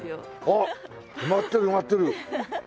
あっ埋まってる埋まってる！